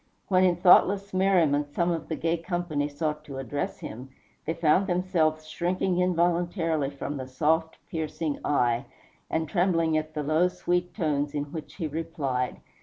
When, in thoughtless merriment, some of the gay company sought to address him, they found themselves shrinking involuntarily from the soft, piercing eye, and trembling at the low, sweet tones in which he replied.